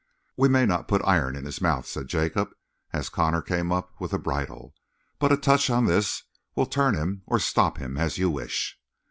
"We may not put iron in his mouth," said Jacob, as Connor came up with the bridle, "but a touch on this will turn him or stop him, as you wish."